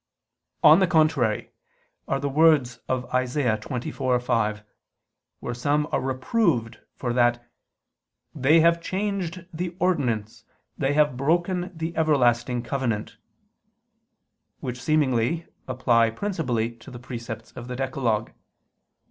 On the contrary, are the words of Isa. 24:5, where some are reproved for that "they have changed the ordinance, they have broken the everlasting covenant"; which, seemingly, apply principally to the precepts of the decalogue.